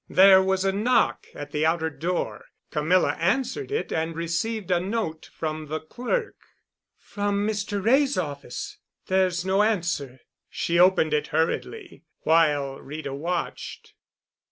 There was a knock at the outer door. Camilla answered it and received a note from the clerk. "From Mr. Wray's office. There's no answer." She opened it hurriedly, while Rita watched.